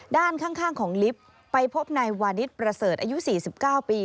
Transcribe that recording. ด้านข้างของลิฟต์ไปพบนายวานิสประเสริฐอายุ๔๙ปี